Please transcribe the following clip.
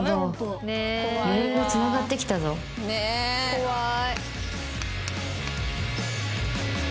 怖い。